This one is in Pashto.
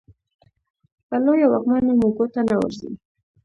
په لویو واکمنو مو ګوته نه ورځي.